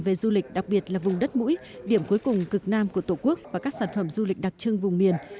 về du lịch đặc biệt là vùng đất mũi điểm cuối cùng cực nam của tổ quốc và các sản phẩm du lịch đặc trưng vùng miền